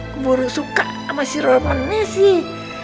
keburu suka sama si roman ini sih